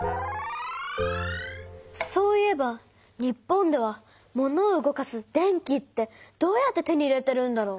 そういえば日本ではモノを動かす電気ってどうやって手に入れてるんだろう？